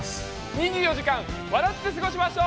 ２４時間笑って過ごしましょう。